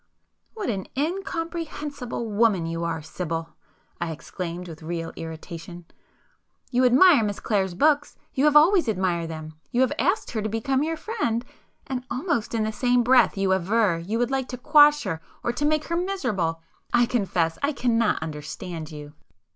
"What an incomprehensible woman you are, Sibyl!" I exclaimed with real irritation,—"You admire Miss Clare's books,—you have always admired them,—you have asked her to become your friend,—and almost in the same breath you aver you would like to 'quash' her or to make her miserable! I confess I cannot understand you!"